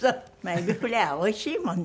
エビフリャーおいしいもんね。